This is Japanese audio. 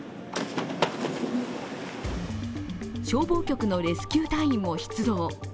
消防局のレスキュー隊員も出動。